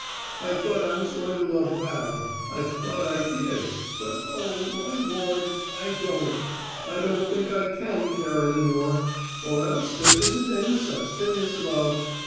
I thought I was going to love Val. I thought I did but oh, my Lord, I don't! I don't think I can care any more. Or else there isn't any such thing as love.